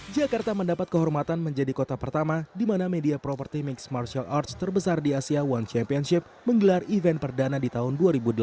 jakarta mendapat kehormatan menjadi kota pertama di mana media properti mixed martial arts terbesar di asia one championship menggelar event perdana di tahun dua ribu delapan belas